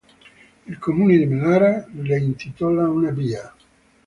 Il comune di Melara le intitola una via.